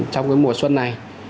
trong cái mùa xuân này